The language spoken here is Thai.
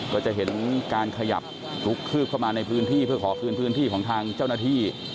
ก็จะเห็นการขยับลุกคืบเข้ามาในพื้นที่เพื่อขอคืนพื้นที่ของทางเจ้าหน้าที่